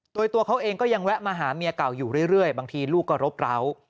ตัวเขาเองก็ยังแวะมาหาเมียเก่าอยู่เรื่อยบางทีลูกก็รบร้าว